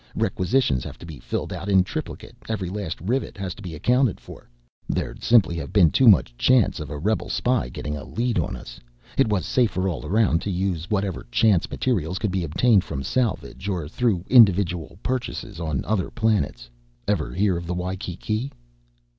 Requisitions have to be filled out in triplicate, every last rivet has to be accounted for there'd simply have been too much chance of a rebel spy getting a lead on us. It was safer all around to use whatever chance materials could be obtained from salvage or through individual purchases on other planets. Ever hear of the Waikiki?"